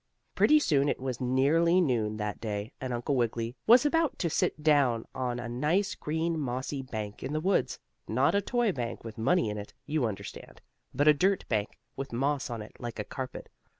Pretty soon it was nearly noon that day, and Uncle Wiggily was about to sit down on a nice green mossy bank in the woods not a toy bank with money in it, you understand, but a dirt bank, with moss on it like a carpet.